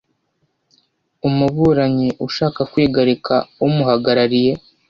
umuburanyi ushaka kwigarika umuhagarariye